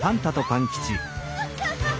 ハハハハ！